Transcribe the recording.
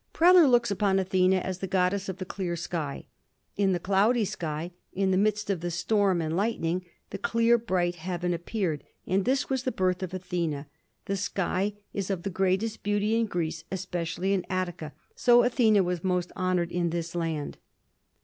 Preller looks upon Athena as the goddess of the clear sky. In the cloudy sky, in the midst of the storm and lightning the clear bright heaven appeared, and this was the birth of Athena. The sky is of the greatest beauty in Greece, especially in Attica, so Athena was most honored in this land.